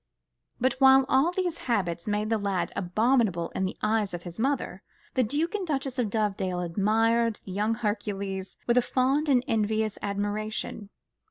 But while all these habits made the lad abominable in the eyes of his mother, the Duke and Duchess of Dovedale admired the young Hercules with a fond and envious admiration.